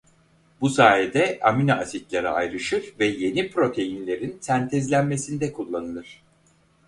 Bu sayede aminoasitlere ayrışır ve yeni proteinlerin sentezlenmesinde kullanılır.